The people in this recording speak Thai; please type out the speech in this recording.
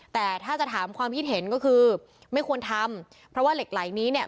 แต่ถ้าจะถามความคิดเห็นก็คือไม่ควรทำเพราะว่าเหล็กไหลนี้เนี่ย